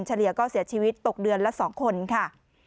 เฉียก็เสียชีวิตตกเดือนละ๒คนค่ะ